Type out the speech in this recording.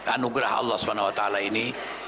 anugerah allah swt ini